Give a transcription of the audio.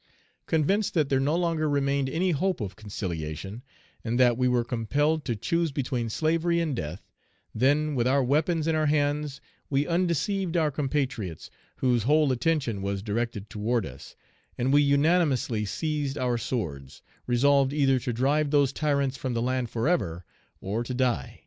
Convinced that there no longer remained any hope of conciliation, and that we were compelled to choose between slavery and death, then, with our weapons in our hands, we undeceived our compatriots, whose whole attention was directed toward us, and we unanimously seized our swords, resolved either to drive those tyrants from the land forever, or to die.